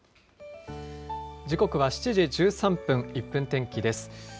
時刻は７時１３分、１分天気です。